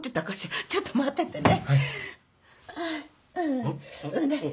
あっちょっと待っててね。